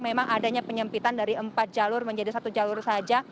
memang adanya penyempitan dari empat jalur menjadi satu jalur saja